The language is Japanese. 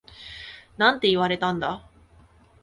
なんて言われたんだ？